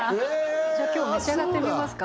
じゃ今日召し上がってみますか？